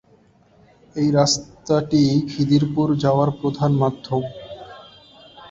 ওই রাস্তাটি খিদিরপুর যাওয়ার প্রধান মাধ্যম।